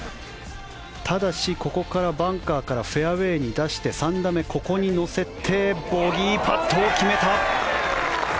ただし、バンカーからフェアウェーに出して３打目、ここに乗せてボギーパットを決めた。